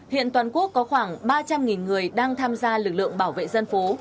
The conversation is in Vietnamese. hiện toàn quốc có khoảng ba trăm linh người đang tham gia lực lượng bảo vệ dân phố